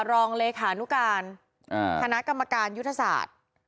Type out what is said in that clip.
รองเลขานุการคณะกรรมการยุทธศาสตร์